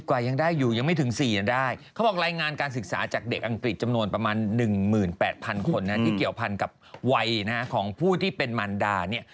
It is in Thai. ๓๐กว่ายังได้อยู่ยังไม่ถึง๔ยังได้